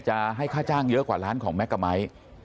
จะให้ค่าจ้างเยอะกว่าล้านของแก๊กกาไมค์